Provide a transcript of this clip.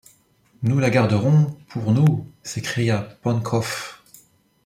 Nous la garderons pour nous s’écria Pencroff.